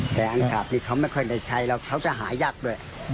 แต่อันกราบนี่เขาไม่ค่อยได้ใช้แล้วเขาจะหายากด้วย